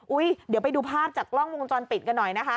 เดี๋ยวไปดูภาพจากกล้องวงจรปิดกันหน่อยนะคะ